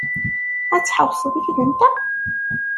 Ad tḥewwseḍ yid-nteɣ?